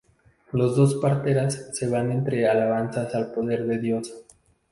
Los dos parteras se van entre alabanzas al poder de Dios.